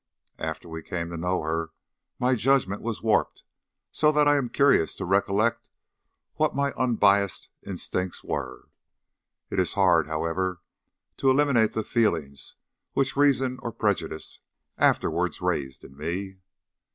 After we came to know her my judgment was warped, so that I am curious to recollect what my unbiassed instincts were. It is hard, however, to eliminate the feelings which reason or prejudice afterwards raised in me.